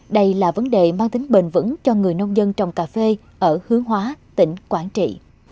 đây là vấn đề mang tính bền vững cho người nông dân trồng cà phê ở hướng hóa tỉnh quảng trị